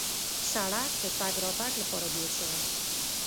سړک د تګ راتګ لپاره جوړ شوی.